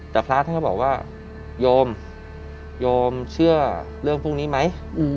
แต่พระท่านก็บอกว่าโยมโยมเชื่อเรื่องพวกนี้ไหม